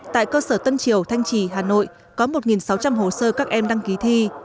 tại cơ sở tân triều thanh trì hà nội có một sáu trăm linh hồ sơ các em đăng ký thi